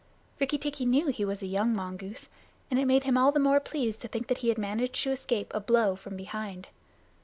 Rikki tikki knew he was a young mongoose, and it made him all the more pleased to think that he had managed to escape a blow from behind.